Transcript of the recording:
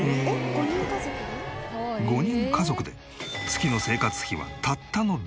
５人家族で月の生活費はたったの６万円。